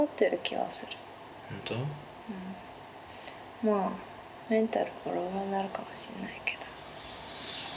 まあメンタルボロボロになるかもしれないけど。